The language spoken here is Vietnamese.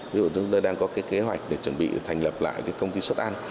ví dụ chúng tôi đang có kế hoạch để chuẩn bị thành lập lại công ty xuất ăn